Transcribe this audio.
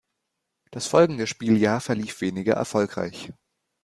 Das folgende Spieljahr verlief weniger erfolgreich.